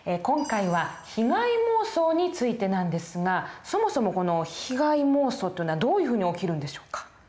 今回は被害妄想についてなんですがそもそもこの被害妄想というのはどういうふうに起きるんでしょうか？